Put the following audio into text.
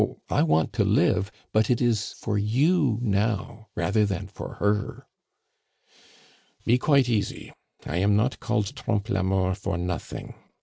I want to live, but it is for you now rather than for her." "Be quite easy, I am not called Trompe la Mort for nothing.